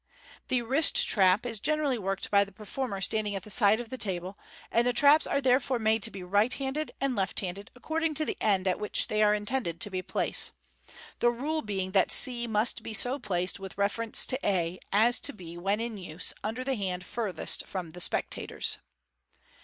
The wrist trap is generally worked by the performer standing at the side o£ the table, and the traps are therefore made right handed and If ft handed, according to the end at which they are intended to be placed, the rule being that c must be so placed with reference to a, as to be when in use under the hand furthest from th« spectators.